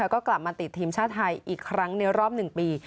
ก็กลับมาติดทีมชาติไทยอีกครั้งในรอบ๑ปี